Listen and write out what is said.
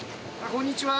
こんにちは。